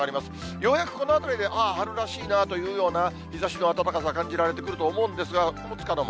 ようやくこのあたりでああ、春らしいなというような日ざしの暖かさ感じられてくると思うんですが、つかの間。